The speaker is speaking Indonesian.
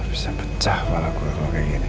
bisa pecah malah gue kalau kayak gini